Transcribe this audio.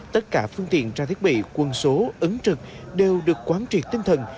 tất cả phương tiện tra thiết bị quân số ứng trực đều được quán triệt tinh thần